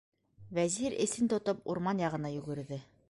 Вәзир, эсен тотоп, урман яғына йүгерҙе.